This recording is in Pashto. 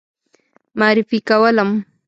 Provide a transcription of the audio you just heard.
معرفي کولم.